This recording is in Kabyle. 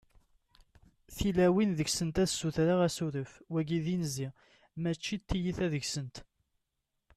tilawin deg-sent ad ssutreɣ asuref, wagi d inzi mačči t-tiyita deg-sent